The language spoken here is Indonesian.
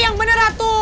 yang bener atu